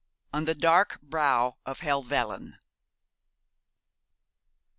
ON THE DARK BROW OF HELVELLYN.